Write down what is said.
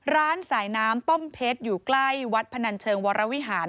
ร้านสายน้ำป้อมเพชรอยู่ใกล้วัดพนันเชิงวรวิหาร